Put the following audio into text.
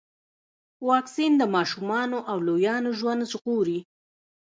واکسین د ماشومانو او لویانو ژوند ژغوري.